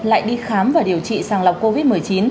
lại đi khám và điều trị sàng lọc covid một mươi chín